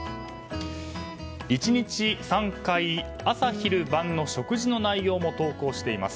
１日３回朝昼晩の食事の内容も投稿しています。